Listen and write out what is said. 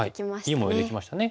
いい模様できましたね。